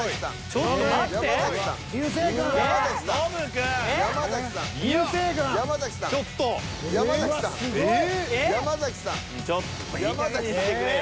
ちょっと待ってよ。